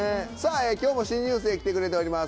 今日も新入生来てくれております